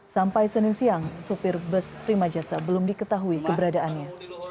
sampai senin siang supir bus prima jasa belum diketahui keberadaannya